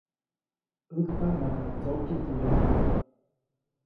‒ʼÄjtaʼm makaʼt ndsokyeʼ teʼ yomodaʼm-.